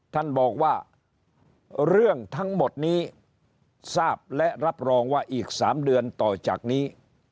ท่านบอกว่าเรื่องทั้งหมดนี้ทราบและรับรองว่าอีก๓เดือนต่อจากนี้